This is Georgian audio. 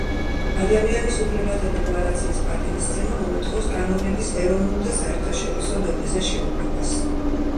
ადამიანის უფლებათა დეკლარაციის პატივისცემა მოითხოვს კანონების ეროვნულ და საერთაშორისო დონეზე შემოღებას.